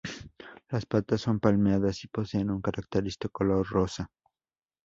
Las patas son palmeadas y poseen un característico color rosa.